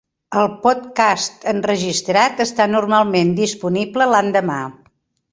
El podcast enregistrat està normalment disponible l'endemà.